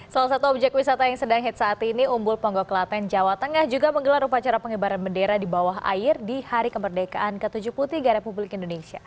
salah satu objek wisata yang sedang hit saat ini umbul ponggo kelaten jawa tengah juga menggelar upacara pengibaran bendera di bawah air di hari kemerdekaan ke tujuh puluh tiga republik indonesia